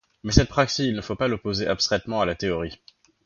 Mais cette praxis, il ne faut pas l’opposer abstraitement à la théorie.